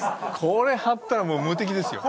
これ貼ったら無敵ですよ。